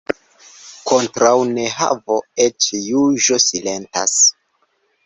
Kontraŭ nehavo eĉ juĝo silentas.